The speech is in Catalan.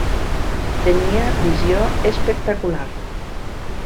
Tenia visió espectacular.